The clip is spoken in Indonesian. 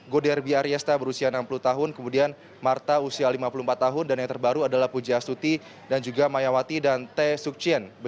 goderby ariesta berusia enam puluh tahun kemudian marta usia lima puluh empat tahun dan yang terbaru adalah pujastuti dan juga mayawati dan t sukcien